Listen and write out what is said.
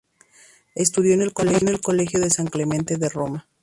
Estudió en el Colegio de San Clemente en Roma.